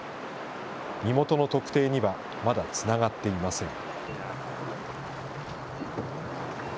身元の特定にはまだつながっていません。